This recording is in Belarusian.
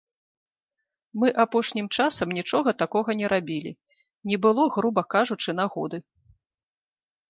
Мы апошнім часам нічога такога не рабілі, не было, груба кажучы, нагоды.